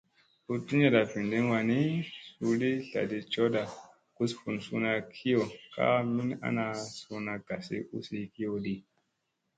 Hu ɗuniyaɗa vinɗin wa nii, suu li tlaɗi cooɗa gus vun suuna kiyo ka min ana suuna gasi usi kiyo di.